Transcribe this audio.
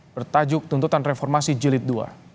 bertajuk tuntutan reformasi jilid ii